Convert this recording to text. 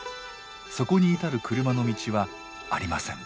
そこに至る車の道はありません。